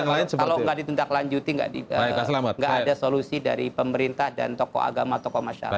ini bahaya besar kalau tidak ditindaklanjuti tidak ada solusi dari pemerintah dan tokoh agama tokoh masyarakat